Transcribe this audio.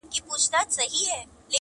o پلټنه د کور دننه پيل کيږي,